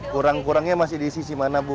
kurang kurangnya masih di sisi mana bu